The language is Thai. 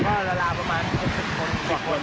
ราละลามประมาณ๗๐คน